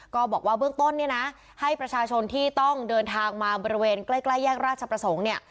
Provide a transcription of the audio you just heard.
ก็บอกว่าเบื้องต้นเนี่ยนะให้ประชาชนที่ต้องเดินทางมาบริเวณใกล้แยกราชประสงค์เนี่ย